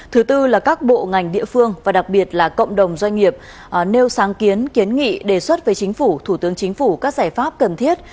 thứ tư là các bộ ngành địa phương và đặc biệt là cộng đồng doanh nghiệp nêu sáng kiến kiến nghị đề xuất với chính phủ thủ tướng chính phủ các giải pháp cần thiết